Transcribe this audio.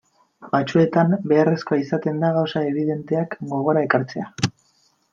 Batzuetan beharrezkoa izaten da gauza ebidenteak gogora ekartzea.